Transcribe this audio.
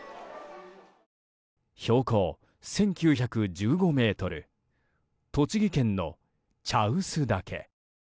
標高１９１５ｍ栃木県の茶臼岳。